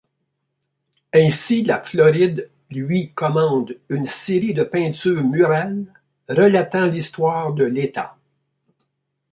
Ainsi la Floride lui commande une série de peintures murales relatant l'histoire de l'état.